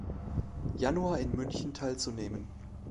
Januar in München teilzunehmen.